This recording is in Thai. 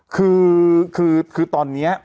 คือคือคือตอนนี้